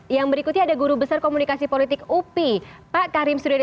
yang berikutnya ada guru besar komunikasi politik upi pak karim suridi